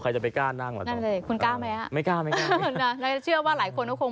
ใครจะไปกล้านั่ง